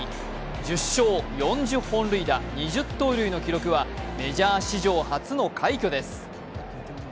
１０勝４０本塁打・２０盗塁の記録はメジャー史上初の快挙です。